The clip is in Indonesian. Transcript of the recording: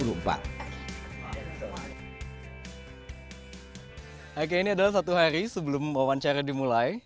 oke ini adalah satu hari sebelum wawancara dimulai